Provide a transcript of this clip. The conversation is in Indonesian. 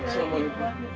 selamat tinggal ibu